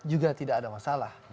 juga tidak ada masalah